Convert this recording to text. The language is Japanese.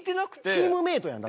チームメートやん。